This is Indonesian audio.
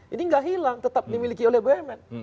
ini nggak hilang tetap dimiliki oleh bumn